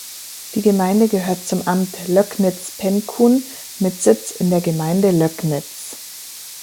Die Gemeinde gehört zum Amt Löcknitz-Penkun mit Sitz in der Gemeinde Löcknitz.